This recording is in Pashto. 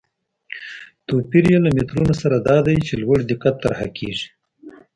توپیر یې له مترونو سره دا دی چې په لوړ دقت طرحه کېږي.